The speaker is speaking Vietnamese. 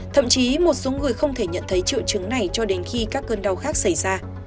thậm chí một số người không thể nhận thấy triệu chứng này cho đến khi các cơn đau khác xảy ra